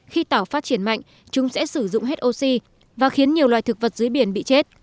khi tảo phát triển mạnh chúng sẽ sử dụng hết oxy và khiến nhiều loài thực vật dưới biển bị chết